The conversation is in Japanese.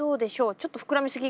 ちょっと膨らみすぎ？